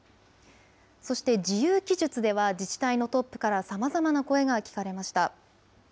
そして、自由記述では、自治体のトップからさまざまな声が聞かれました。